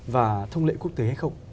và thông lệ quốc tế hay không